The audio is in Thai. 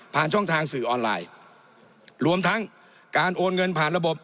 ช่องทางสื่อออนไลน์รวมทั้งการโอนเงินผ่านระบบ